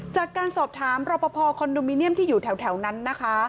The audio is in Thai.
จากการสอบถามรอปภคอนโดมิเนียมที่อยู่แถวนั้นนะคะ